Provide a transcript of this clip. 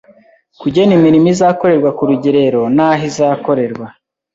kugena imirimo izakorerwa ku rugerero n’aho izakorerwa